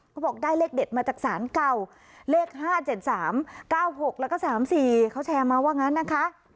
เขาบอกได้เลขเด็ดมาจากศาลเก่าเลข๕๗๓๙๖แล้วก็๓๔เขาแชร์มาว่างั้นนะคะ